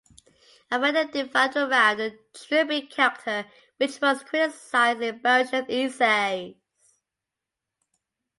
A fandom developed around the Trilby character, which was criticized in "Belsham's Essays".